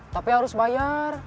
tapi harus bayar